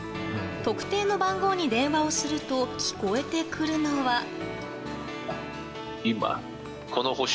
特定の番号に電話をすると聞こえてくるのは。